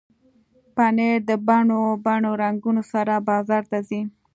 پنېر د بڼو بڼو رنګونو سره بازار ته راځي.